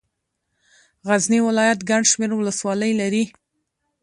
غزني ولايت ګڼ شمېر ولسوالۍ لري.